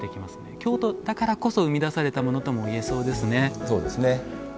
京都だからこそ生み出されたものといえそうですね。